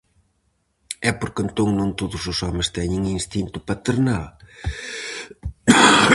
E por que entón non todos os homes teñen instinto paternal?